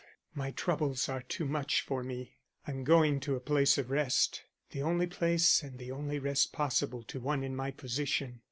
My troubles are too much for me. I'm going to a place of rest, the only place and the only rest possible to one in my position.